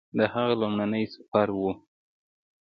د هغه لومړنی سفر و